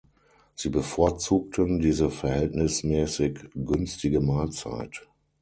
Sie bevorzugten diese verhältnismäßig günstige Mahlzeit.